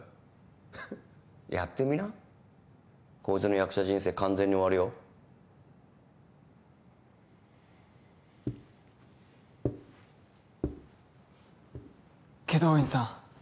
フッやってみなこいつの役者人生完全に終わるよ祁答院さん